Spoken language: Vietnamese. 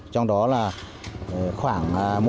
trong đó là khoảng